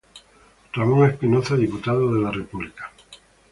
Ramón Espinoza, diputado de la República.